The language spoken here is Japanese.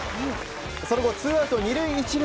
その後、ツーアウト２塁１塁。